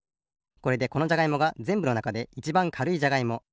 これでこのじゃがいもがぜんぶのなかでいちばんかるいじゃがいも